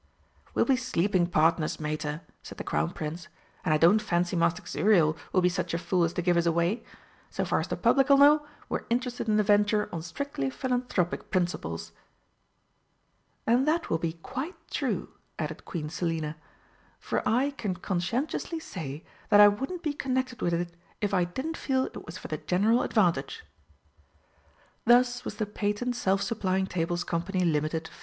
"We'll be sleeping partners, Mater," said the Crown Prince, "and I don't fancy Master Xuriel will be such a fool as to give us away. So far as the Public'll know, we're interested in the venture on strictly philanthropic principles." "And that will be quite true," added Queen Selina, "for I can conscientiously say that I wouldn't be connected with it if I didn't feel it was for the general advantage." Thus was the "Patent Self supplying Tables Co., Ltd.